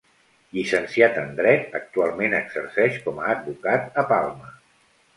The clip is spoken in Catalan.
Llicenciat en Dret, actualment exerceix com a advocat a Palma.